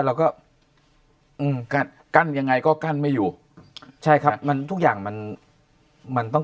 เราก็อืมกั้นกั้นยังไงก็กั้นไม่อยู่ใช่ครับมันทุกอย่างมันมันต้อง